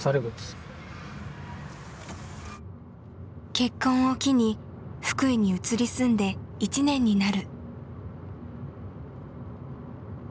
結婚を機に福井に移り住んで１年になる。